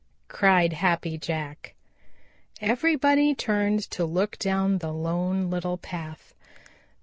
cried Happy Jack. Everybody turned to look down the Lone Little Path.